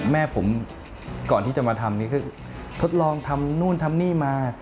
แม่ผมก่อนที่จะมาทำนี่คือทดลองทำนู่นทำนี่มา